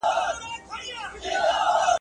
خو رجحان بیا هم دوام کوي.